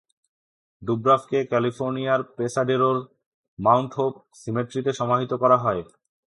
ডুব্রাফকে ক্যালিফোর্নিয়ার পেসাডেরোর Mount hope সিমেট্রিতে সমাহিত করা হয়।